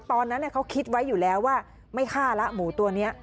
ตอนนั้นเขาคิดไว้อยู่แล้วว่าไม่ฆ่าแล้วหมูตัวนี้